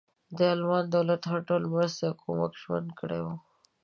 د المان دولت د هر ډول مرستې او کمک ژمنه کړې وه.